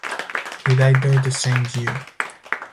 He died there the same year.